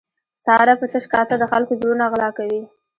ساره په تش کاته د خلکو زړونه غلا کوي.